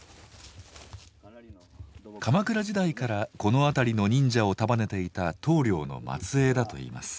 鎌倉時代からこの辺りの忍者を束ねていた頭領の末裔だといいます。